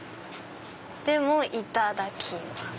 でもいただきます。